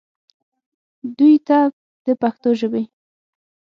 دوي ته د پښتو ژبې